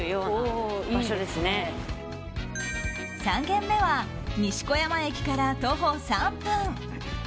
３軒目は西小山駅から徒歩３分。